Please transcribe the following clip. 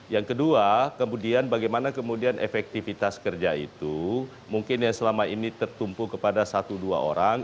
yang kedua kemudian bagaimana kemudian efektivitas kerja itu mungkin yang selama ini tertumpu kepada satu dua orang